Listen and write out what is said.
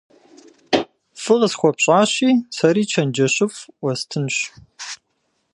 Фӏы къысхуэпщӏащи, сэри чэнджэщыфӏ уэстынщ.